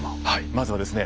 まずはですね